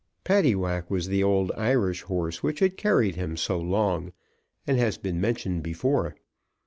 Paddywhack was the old Irish horse which had carried him so long, and has been mentioned before.